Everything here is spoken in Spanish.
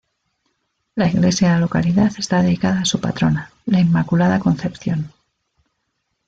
La iglesia de la localidad está dedicada a su patrona, la Inmaculada Concepción.